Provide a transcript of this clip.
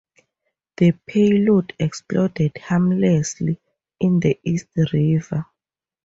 The payload exploded harmlessly in the East River.